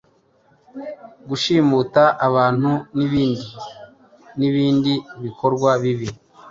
gushimuta abantu n'ibindi nibindi bikorwa bibi